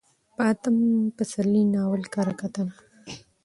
په اتم پسرلي ناول کره کتنه: